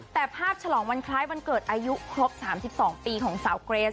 แต่ภาพฉลองวันคล้ายวันเกิดอายุครบ๓๒ปีของสาวเกรส